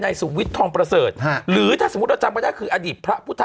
สุวิทย์ทองประเสริฐหรือถ้าสมมุติเราจำไม่ได้คืออดีตพระพุทธ